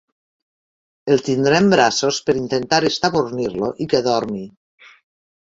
El tindrà en braços per intentar estabornir-lo i que dormi.